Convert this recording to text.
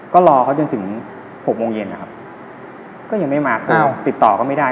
ก็รอเขาจนถึง๖โมงเย็นนะครับก็ยังไม่มาก็ติดต่อก็ไม่ได้